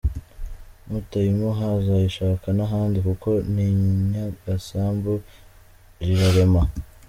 Nutayimuha azayishaka n’ahandi kuko n’inyagasambu rirarema.